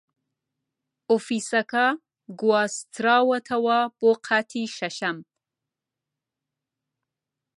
ئۆفیسەکە گواستراوەتەوە بۆ قاتی شەشەم.